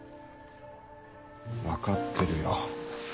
分かってるよ。